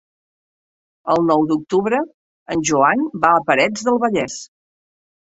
El nou d'octubre en Joan va a Parets del Vallès.